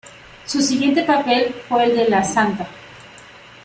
Su siguiente papel fue el de la Sta.